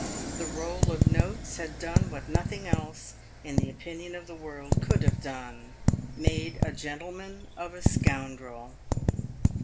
The roll of notes had done what nothing else, in the opinion of the world, could have done — made a gen tleman of a scoundrel.